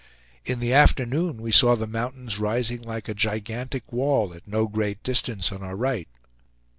In the afternoon we saw the mountains rising like a gigantic wall at no great distance on our right.